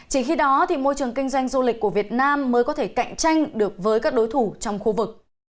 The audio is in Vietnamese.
chỉ khi đó thì môi trường kinh doanh du lịch của việt nam mới có thể cạnh tranh được với các đối thủ trong khu vực